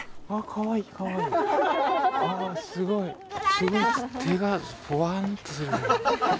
すごい手がホワンとするね。